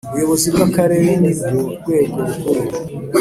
Ubuyobozi bw’Akarere ni rwo rwego rukuru